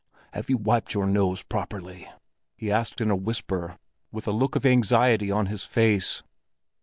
"Have you wiped your nose properly?" he asked in a whisper, with a look of anxiety on his face.